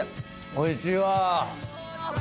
おいしいわぁ。